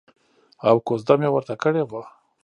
او کوزده مې ورته کړې وه.